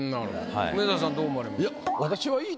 梅沢さんどう思われますか？